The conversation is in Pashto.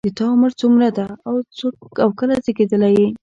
د تا عمر څومره ده او کله زیږیدلی یې